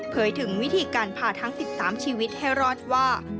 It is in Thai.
ถึงวิธีการพาทั้ง๑๓ชีวิตให้รอดว่า